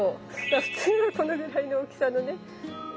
普通はこのぐらいの大きさのね植木鉢が。